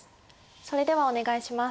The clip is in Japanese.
それではお願いします。